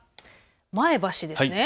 前橋ですね。